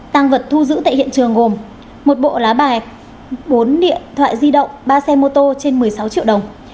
tăng vật thu giữ tại hiện trường gồm một bộ lá bài bốn điện thoại di động ba xe mô tô trên một mươi sáu triệu đồng